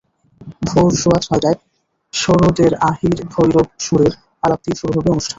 ভোর সোয়া ছয়টায় সরোদের আহীর-ভৈরব সুরের আলাপ দিয়ে শুরু হবে অনুষ্ঠান।